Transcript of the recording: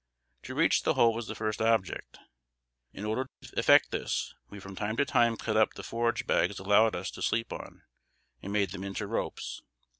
To reach the hole was the first object. In order to effect this, we from time to time cut up the forage bags allowed us to sleep on, and made them into ropes.